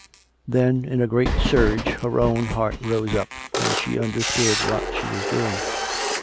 Then, in a great surge, her own heart rose up, and she understood what she was doing.